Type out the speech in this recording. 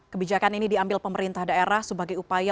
kebijakan ini diambil pemerintah daerah sebagai upaya